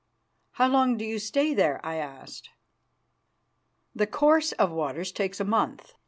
"How long do you stay there?" I asked. "The course of waters takes a month.